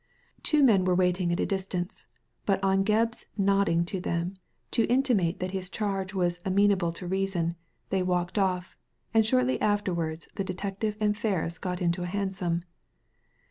Two men were waiting at a distance, but on Gebb's nodding to them to intimate that his charge was amenable to reason, they walked off; and shortly afterwards the detective and Ferris got into a hansom.